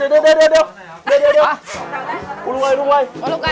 เอามาสักที